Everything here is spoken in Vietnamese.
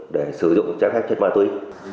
để sử dụng chép phép chép ma túy